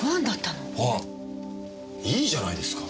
いいじゃないですか。